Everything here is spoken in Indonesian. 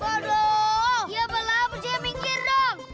waduh dia belah bersihnya minggir dong